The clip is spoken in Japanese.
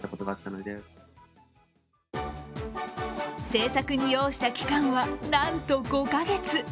制作に要した期間は、なんと５か月。